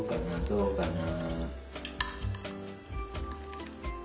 どうかな？